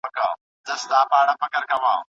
مثبت فکر باور نه ځنډوي.